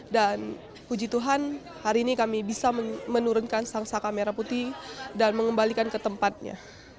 dan puji tuhan hari ini kami bisa menurunkan sang saka merah putih dan mengembalikan ke tempatnya